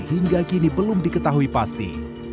hingga kini belum diketahui pasti